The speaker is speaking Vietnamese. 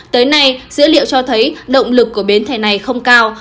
tới nay dữ liệu cho thấy động lực của bến thẻ này không cao